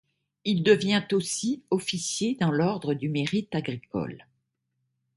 Il devient aussi officier dans l'ordre du Mérite agricole.